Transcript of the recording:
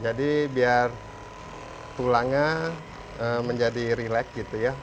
jadi biar tulangnya menjadi rileks gitu ya